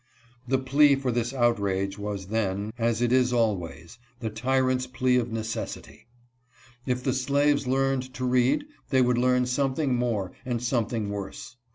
The plea for this outrage was then, as it is always, the tyrant's plea of necessity. If the slaves learned to read they would learn something more and something worse.